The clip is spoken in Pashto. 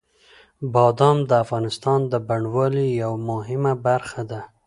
بادام د افغانستان د بڼوالۍ یوه مهمه برخه ده.